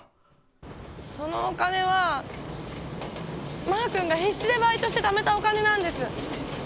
そのお金はマー君が必死でバイトしてためたお金なんです。